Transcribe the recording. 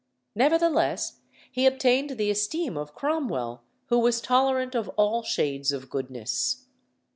Nevertheless, he obtained the esteem of Cromwell, who was tolerant of all shades of goodness.